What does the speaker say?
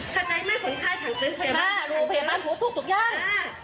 เข้าใจมั้ยคนไข้ถังตึกรู้พยาบาลผัวทุกอย่าง